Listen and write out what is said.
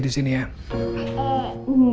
di rumah istri pertamanya